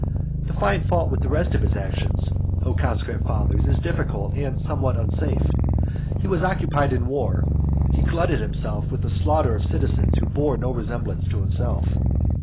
To find fault with the rest of his actions, O conscript fathers, is difficult, and somewhat unsafe. He was occupied in war; he glutted himself with the slaughter of citizens who bore no resemblance to himself.